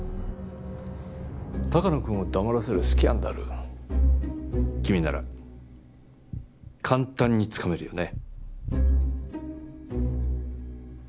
鷹野君を黙らせるスキャンダル君なら簡単につかめるよね。